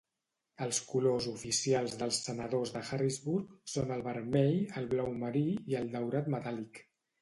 Els colors oficials dels senadors de Harrisburg són el vermell, el blau marí i el daurat metàl·lic.